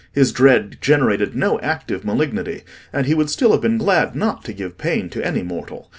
His dread generated no active malignity, and he would still have been glad not to give pain to any mortal.